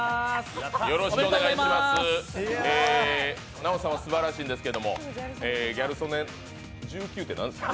ＮＡＯＴＯさんはすばらしいんですけど、ギャル曽根、１９って何ですか？